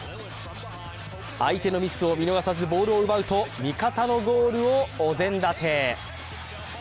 相手のミスを見逃さずボールを奪うと味方のゴールをお膳立て。